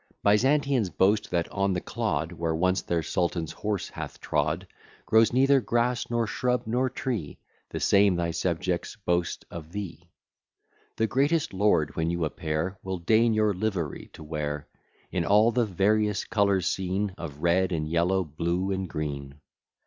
Byzantians boast, that on the clod Where once their Sultan's horse hath trod, Grows neither grass, nor shrub, nor tree: The same thy subjects boast of thee. The greatest lord, when you appear, Will deign your livery to wear, In all the various colours seen Of red and yellow, blue and green.